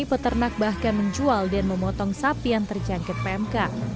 peternak bahkan menjual dan memotong sapi yang terjangkit pmk